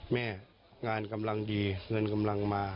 แม่งานกำลังดีเงินกำลังมา